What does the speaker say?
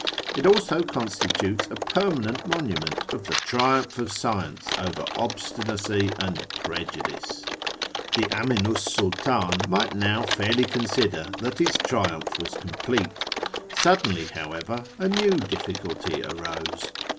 It also constitutes a permanent monument of the triumph of science over obstinacy and prejudice. The Aminu 's Sultdn might now fairly consider that his triumph was complete : suddenly, however, a new difficulty arose.